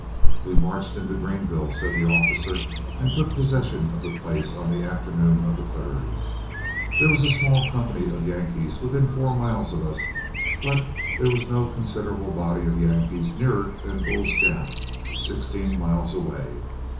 "We marched into Greenville," said the officer, "and took possession of the place on the afternoon of the 3d. There was a small company of Yankees within four miles of us, but there was no considerable body of Yankees nearer than Bull's Gap, sixteen miles away.